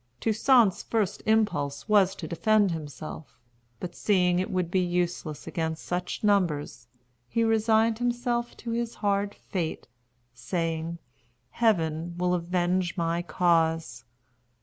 Toussaint's first impulse was to defend himself; but seeing it would be useless against such numbers, he resigned himself to his hard fate, saying, "Heaven will avenge my cause."